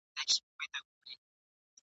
یا د وږو نس ته ځي لار یې دېګدان سي !.